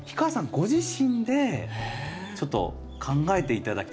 ご自身でちょっと考えて頂きたい。